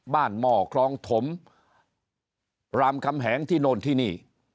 หม้อคลองถมรามคำแหงที่โน่นที่นี่